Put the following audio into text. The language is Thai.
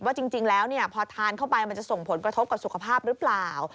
ว่าจริงแล้วพอทานเข้าไปมันจะส่งผลกระทบกับสุขภาพหรือเปล่า